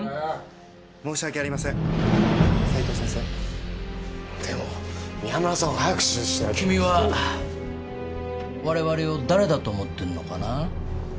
申し訳ありません斉藤先生でも宮村さん早く手術しないと君は我々を誰だと思ってるのかな